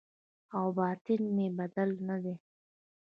او باطن مې بدل نه دی